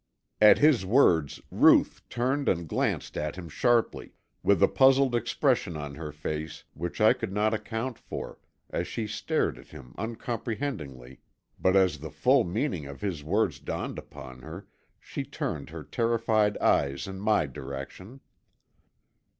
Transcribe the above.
At his words Ruth turned and glanced at him sharply, with a puzzled expression on her face which I could not account for, as she stared at him uncomprehendingly, but as the full meaning of his words dawned upon her, she turned her terrified eyes in my direction.